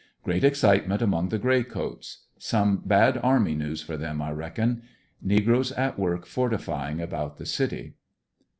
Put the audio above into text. Great excitement among the Gray coats. Some bad army news for them, I reckon. Negroes at work forti fying about the city.